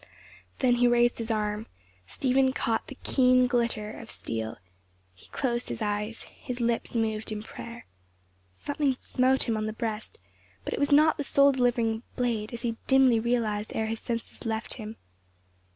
Then he raised his arm; Stephen caught the keen glitter of the steel. He closed his eyes. His lips moved in prayer. Something smote him on the breast, but it was not the soul delivering blade, as he dimly realized ere his senses left him.